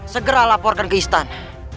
segera laporkan ke istana